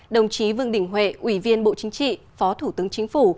đồng chí vương đình huệ ủy viên bộ chính trị phó thủ tướng chính phủ